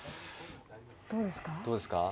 「どうですか？」